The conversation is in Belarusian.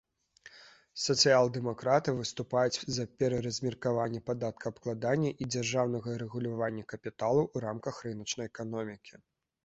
Сацыял-дэмакраты выступаюць за пераразмеркаванне падаткаабкладання і дзяржаўнага рэгулявання капіталу ў рамках рыначнай эканомікі.